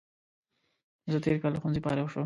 زه تېر کال له ښوونځي فارغ شوم